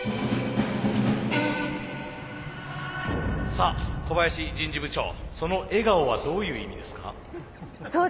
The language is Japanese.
さあ小林人事部長その笑顔はどういう意味ですか？